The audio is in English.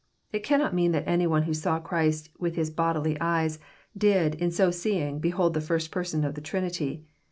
It cannot mean that any one who saw Christ with his bodily eyes, did, in so seeing, behold the First Person in the Trinity.